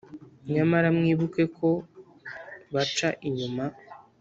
Nyamara mwibuke ko baca inyuma